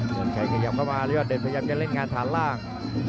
ยอดเดชพยายามจะเล่นงานฐานล่าง